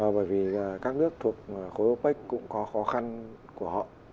bởi vì các nước thuộc khối opec cũng có khó khăn của họ